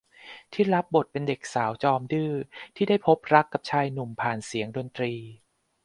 ที่รับบทเป็นเด็กสาวจอมดื้อที่ได้พบรักกับชายหนุ่มผ่านเสียงดนตรี